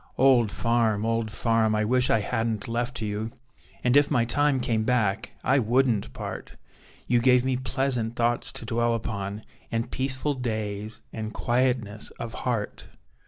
Old farm! Old farm! I wish I hadn't left you! And if my time came back, I wouldn't part: You gave me pleasant thoughts to dwell upon, And peaceful days and quietness of heart.